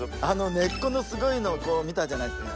根っこのすごいのを見たじゃないですか。